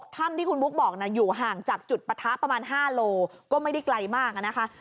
ถ้ำที่คุณบุ๊คบอกนะอยู่ห่างจากจุดปะทะประมาณ๕โลก็ไม่ได้ไกลมากอะนะคะ